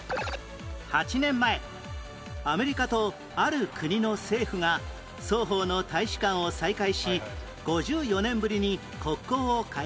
８年前アメリカとある国の政府が双方の大使館を再開し５４年ぶりに国交を回復